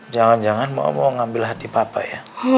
jangan jangan mau ngambil hati papa ya